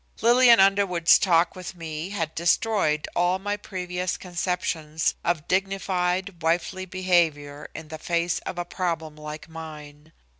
Lillian Underwood's talk with me had destroyed all my previous conceptions of dignified wifely behavior in the face of a problem like mine.